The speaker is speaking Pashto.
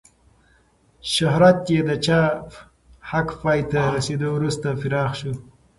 شهرت یې د چاپ حق پای ته رسېدو وروسته پراخ شو.